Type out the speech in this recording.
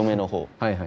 ・はいはい。